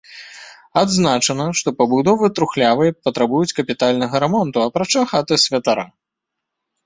Адзначана, што пабудовы трухлявыя і патрабуюць капітальнага рамонту, апрача хаты святара.